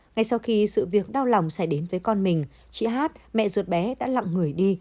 ngay sau khi sự việc đau lòng xảy đến với con mình chị hát mẹ ruột bé đã lặng người đi